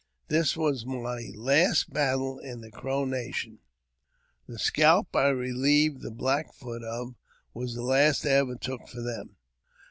This was my last battle in the Crow nation ; the scalp I relieved the Black Foot of was the last I ever took for them.